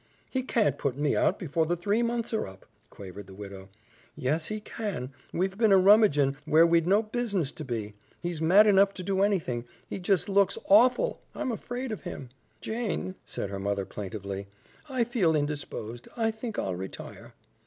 "He can't put me out before the three months are up," quavered the widow. "Yes, he can. We've been a rummagin' where we'd no bizniss to be. He's mad enough to do anything; he jes' looks awful; I'm afraid of him." "Jane," said her mother plaintively, "I feel indisposed. I think I'll retire."